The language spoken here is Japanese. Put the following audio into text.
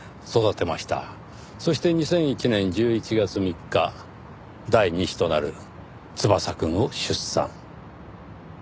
そして２００１年１１月３日第二子となる翼くんを出産。